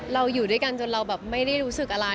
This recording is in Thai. อยู่ด้วยกันจนเราแบบไม่ได้รู้สึกอะไร